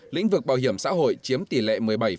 lĩnh vực bảo hiểm xã hội chiếm tỷ lệ một mươi bảy